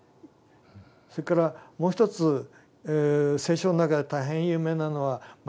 それからもう一つ聖書の中で大変有名なのは迷える羊でしょ。